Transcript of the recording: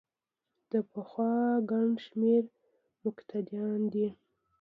دا پخوا ګڼ شمېر منتقدان دي.